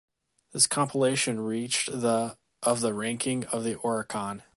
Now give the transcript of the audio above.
This compilation reached the(…) of the ranking of the Oricon.